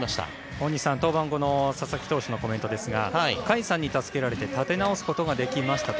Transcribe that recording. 大西さん登板後の佐々木投手のコメントですが甲斐さんに助けられて立て直すことができましたと。